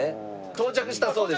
到着したそうです。